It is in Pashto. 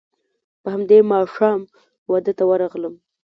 په همدې ماښام واده ته ورغلم.